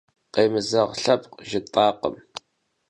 Къемызэгъ лъэпкъ жытӏакъым.